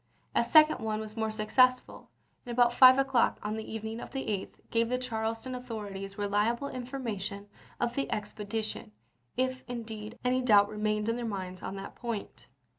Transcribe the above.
A second one was more successful, and about 5 o'clock on the evening of the 8th gave the Charles ton authorities reliable information of the expedi tion, if, indeed, any doubt remained in their minds pp ao,"2i. on that point.